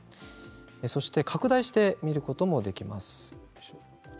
これは拡大して見ることもできます。